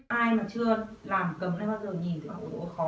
nên bao giờ nhìn thấy khó